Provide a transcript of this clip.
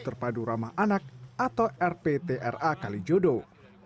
terpadu ramah anak atau rptra kali jodoh